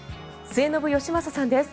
末延吉正さんです。